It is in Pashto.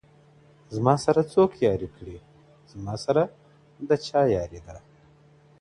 زما سره څوک ياري کړي زما سره د چا ياري ده .